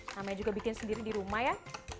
namanya juga bikin sendiri di rumah ya